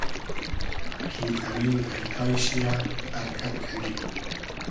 کی امی غݷتای شی یۂ ارکئد کئنی